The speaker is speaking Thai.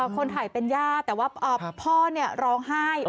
คนถ่ายเป็นย่าแต่ว่าพ่อร้องไห้